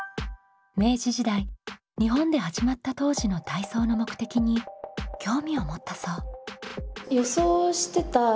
明治時代日本で始まった当時の体操の目的に興味を持ったそう。